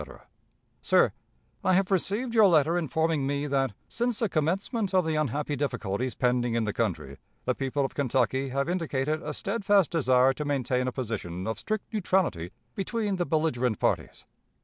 _ "Sir: I have received your letter informing me that 'since the commencement of the unhappy difficulties pending in the country, the people of Kentucky have indicated a steadfast desire to maintain a position of strict neutrality between the belligerent parties.'